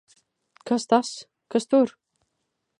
Kas tas! Kas tur!